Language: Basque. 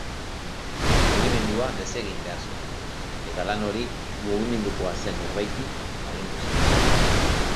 Mugimendua desegin behar zuten, eta lan hori mugimendukoa zen norbaiti agindu zion.